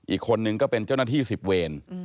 อีกคนนึงก็เป็นเจ้าหน้าที่๑๐เวร